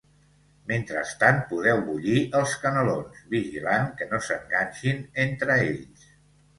Mentrestant podeu bullir els canelons, vigilant que no s’enganxin entre ells.